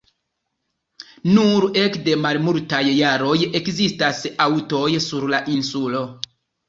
Nur ekde malmultaj jaroj ekzistas aŭtoj sur la insulo.